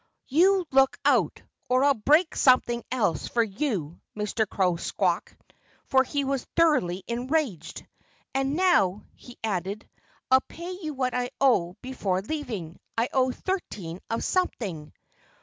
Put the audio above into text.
"You look out, or I'll break something else for you," Mr. Crow squawked, for he was thoroughly enraged. "And now," he added, "I'll pay you what I owe before leaving. I owe thirteen of something."